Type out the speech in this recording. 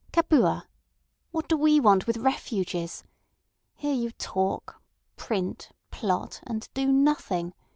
Capua! What do we want with refuges? Here you talk, print, plot, and do nothing.